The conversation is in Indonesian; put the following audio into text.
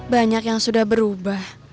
banyak yang sudah berubah